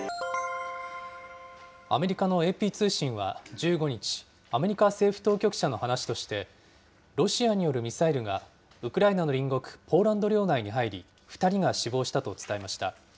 アメリカのＡＰ通信は１５日、アメリカ政府当局者の話として、ロシアによるミサイルが、ウクライナの隣国、ポーランド領内に入り、２人が死亡したと伝えました。